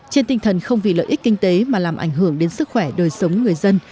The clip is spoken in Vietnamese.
trên tinh thần không vì lợi ích kinh tế mà làm ảnh hưởng đến sức khỏe đời sống người dân